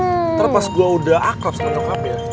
ntar pas gue udah akrab sama nyokapnya